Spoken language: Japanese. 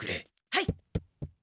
はい。